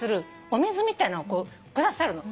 お水みたいなのを下さるの。